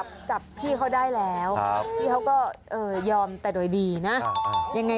มันขัดขืน